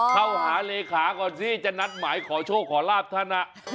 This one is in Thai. เข้าหาเลขาก่อนสิจะนัดหมายขอโชคขอลาบท่าน